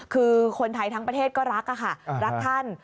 คือคนไทยทั้งประเทศก็รักค่ะรักท่าน